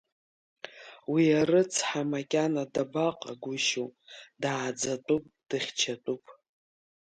Уи арыцҳа макьана дабаҟагәышьоу, дааӡатәуп, дыхьчатәуп.